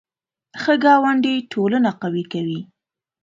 ښه ګاونډي ټولنه قوي کوي